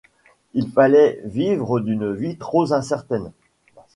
Il fallait vivre d'une vie trop incertaine.